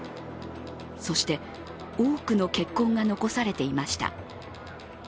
そして多くの血痕が残されていました。